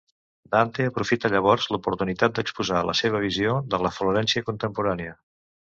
Dante aprofita llavors l'oportunitat d'exposar la seva visió de la Florència contemporània.